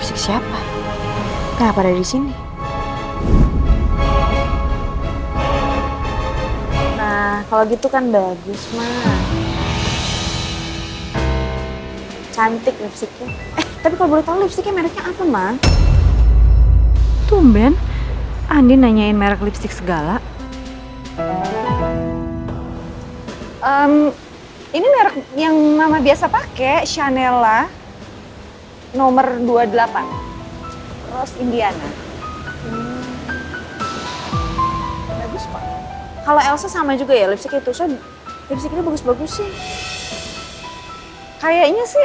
sampai jumpa di video selanjutnya